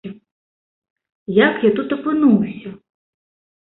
Як я тут апынуўся?